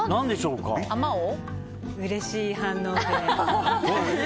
うれしい反応で。